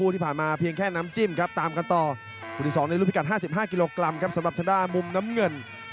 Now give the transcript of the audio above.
ที่ผ่านมาเพียงแค่น้ำจิ้มครับตามกันต่อตื่น